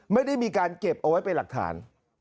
ไม่ได้มีการเก็บเอาไว้เป็นหลักฐาน